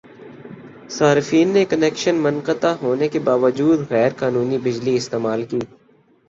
صارفین نے کنکشن منقطع ہونے کے باوجودغیرقانونی بجلی استعمال کی